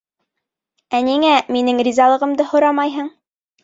Ә ниңә минең ризалығымды һорамайһың?